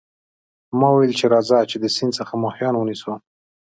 ما وویل چې راځه چې د سیند څخه ماهیان ونیسو.